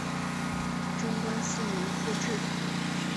贞观四年复置。